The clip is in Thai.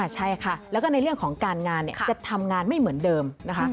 ใช่ค่ะแล้วก็ในเรื่องของการงานจะทำงานไม่เหมือนเดิมนะคะ